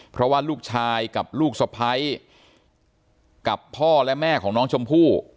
เพราะว่าลูกชายกับลูกสะพ้ายกับพ่อและแม่ของน้องชมพู่